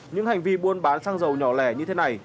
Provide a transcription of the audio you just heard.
những hành vi buôn bán xăng dầu nhỏ lẻ như thế này